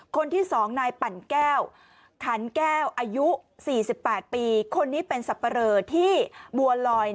คนที่๒นายปั่นแก้วขันแก้วอายุ๔๘ปีคนนี้เป็นสับปะเรอที่บัวลอย